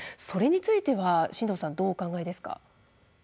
それについては進藤さんどうお考えですか？